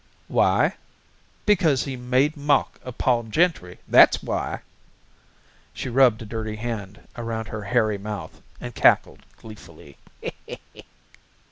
"Why? Becaze he made mauck of Pol Gentry, that's why!" She rubbed a dirty hand around her hairy mouth and cackled gleefully.